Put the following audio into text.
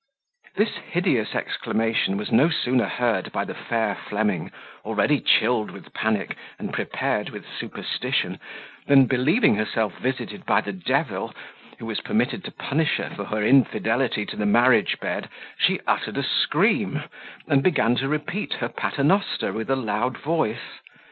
This hideous exclamation was no sooner heard by the fair Fleming, already chilled with panic, and prepared with superstition, than, believing herself visited by the devil, who was permitted to punish her for her infidelity to the marriage bed, she uttered a scream, and began to repeat her pater noster with a loud voice.